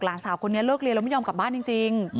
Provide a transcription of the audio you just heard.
หลานสาวคนนี้เลิกเรียนแล้วไม่ยอมกลับบ้านจริง